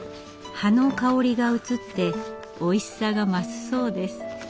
葉の香りが移っておいしさが増すそうです。